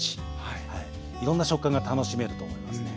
いろんな食感が楽しめると思いますね。